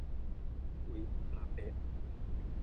อุ๊ย ปลาเป๊ะ